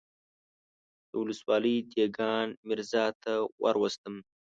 د ولسوالۍ دېګان ميرزا ته وروستم.